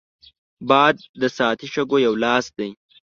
باد د ساعتي شګو یو لاس دی